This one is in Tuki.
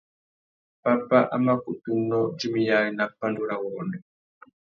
Pápá a má kutu nnô, djumiyari nà pandúrâwurrôndô.